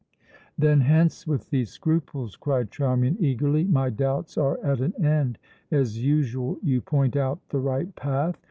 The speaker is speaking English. "Then hence with these scruples," cried Charmian eagerly; "my doubts are at an end! As usual, you point out the right path.